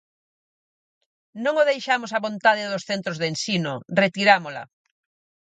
Non o deixamos á vontade dos centros de ensino, ¡retirámola!